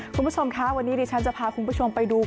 คุณผู้ชมคะวันนี้ดิฉันจะพาคุณผู้ชมไปดู